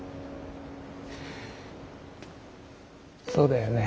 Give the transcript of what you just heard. そうだよね。